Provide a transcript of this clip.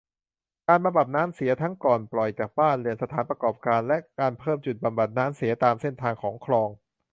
การบำบัดน้ำเสียทั้งก่อนปล่อยจากบ้านเรือน สถานประกอบการ และ การเพิ่มจุดบำบัดน้ำเสียตามเส้นทางของคลอง